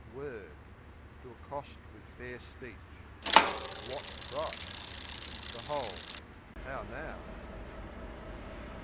Word To accost with fair speech. Wot price Behold; how now!